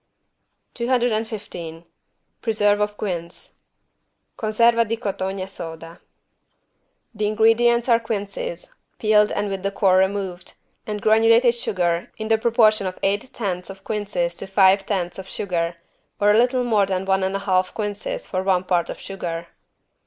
215 PRESERVE OF QUINCE (Conserva di cotogne soda) The ingredients are quinces, peeled and with the core removed, and granulated sugar, in the proportion of eight tenths of quinces to five tenths of sugar, or a little more than one and a half quinces for one part of sugar.